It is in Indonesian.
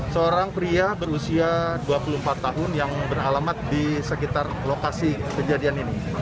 seorang pria berusia dua puluh empat tahun yang beralamat di sekitar lokasi kejadian ini